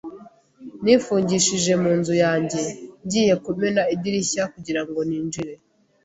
Nifungishije mu nzu yanjye, ngiye kumena idirishya kugirango ninjire.